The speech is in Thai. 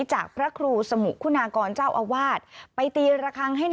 จากพระครูสมุคุณากรเจ้าอาวาสไปตีระคังให้